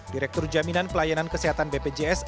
direktur jaminan pelayanan kesehatan bpjs